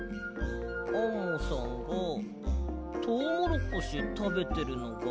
アンモさんがトウモロコシたべてるのが？